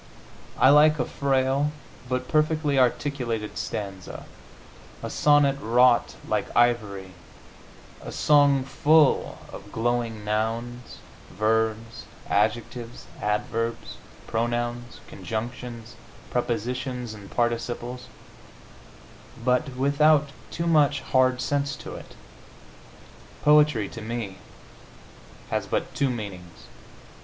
I like a frail but perfectly articulated stanza, a sonnet wrought like ivory, a song full of glowing nouns, verbs, adjectives, adverbs, pronouns, conjunctions, prepositions and participles, but without too much hard sense to it. Poetry, to me, has but two meanings.